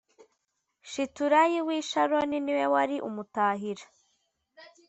Shiturayi w i sharoni ni we wari umutahira